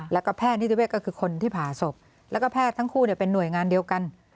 แล้วก็แพทย์นิติเวศก็คือคนที่ผ่าศพแล้วก็แพทย์ทั้งคู่เป็นห่วยงานเดียวกัน